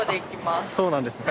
そうなんですね。